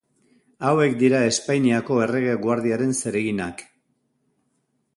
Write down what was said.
Hauek dira Espainiako Errege Guardiaren zereginak.